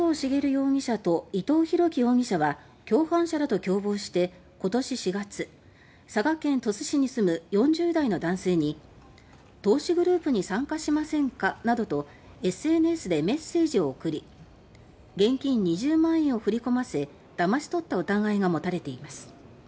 容疑者と伊藤宏樹容疑者は共犯者らと共謀して今年４月、佐賀県鳥栖市に住む４０代の男性に「投資グループに参加しませんか」などとＳＮＳでメッセージを送り現金２０万円を振り込ませだましとった疑いが持たれています。